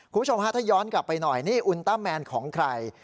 คุณผู้ชมฮะถ้าย้อนกลับไปหน่อยนี่อุลต้าแมนของใคร